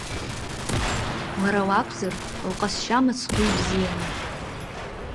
Лара лакәзар, лҟазшьа мыцхәы ибзианы…